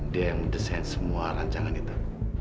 dia yang mendesain semua rancangan itu